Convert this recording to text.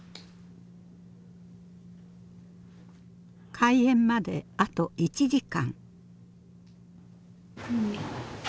開演まであと１時間。